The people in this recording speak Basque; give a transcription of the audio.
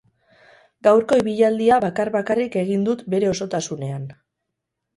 Gaurko ibilaldia bakar-bakarrik egin dut bere osotasunean.